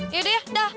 yaudah ya udah